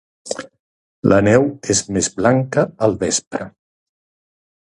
La neu és més blanca al vespre